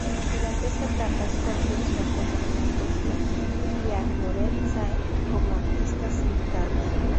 Durante esta etapa Scorpions contó con Tesla y Armored Saint como artistas invitados.